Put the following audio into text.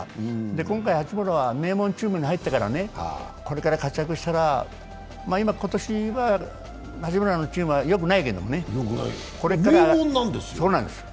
今回、八村は名門に入ったからこれから活躍したら今年は八村のチームはよくないけれどもね。